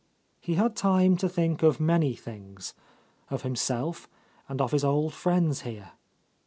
He had time to think of many things ; of him self and of his old friends here.